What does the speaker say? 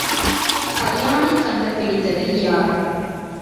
பையானைக் கண்டுபிடித்தது யார்?